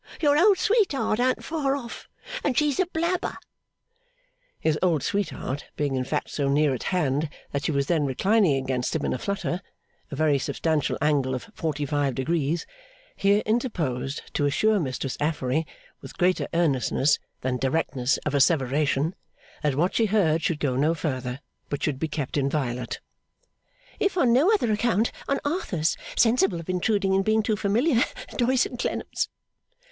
Your old sweetheart an't far off, and she's a blabber.' His old sweetheart, being in fact so near at hand that she was then reclining against him in a flutter, a very substantial angle of forty five degrees, here interposed to assure Mistress Affery with greater earnestness than directness of asseveration, that what she heard should go no further, but should be kept inviolate, 'if on no other account on Arthur's sensible of intruding in being too familiar Doyce and Clennam's.